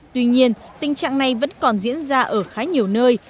tuy nhiên tình trạng này vẫn còn diễn ra ở khá nhiều nơi